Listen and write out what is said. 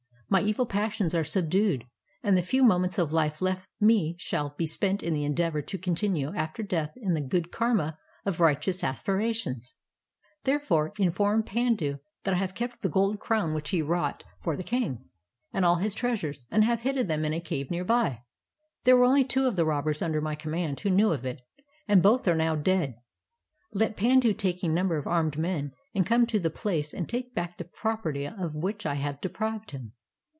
^My e\ il passions are subdued, and the few moments of life left me shall be spent in the endeavor to continue after death in the good karma of righteous aspirations. Therefore, inform Pandu that I have kept the gold crown which he wrought 58 KARMA: A STORY OF BUDDHIST ETHICS for the king, and all his treasures, and have hidden them in a cave near by. There were only two of the robbers under my command who knew of it, and both are now dead. Let Pandu take a number of armed men and come to the place and take back the property of which I have deprived him.